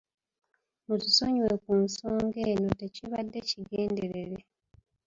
Mutusonyiwe ku nsonga eno, tekibadde kigenderere.